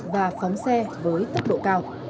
và phóng xe với tốc độ cao